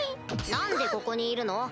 何でここにいるの？